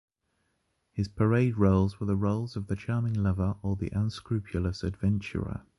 His parade roles were the roles of a charming lover or the unscrupulous adventurer.